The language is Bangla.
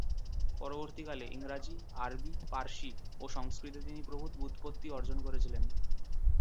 পরবর্তীকালে ইংরাজী, আরবি, পারসি ও সংস্কৃতে তিনি প্রভূত ব্যুৎপত্তি অর্জন করে ছিলেন।